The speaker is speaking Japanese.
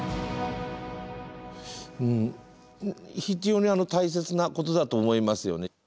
非常に大切なことだと思いますよね。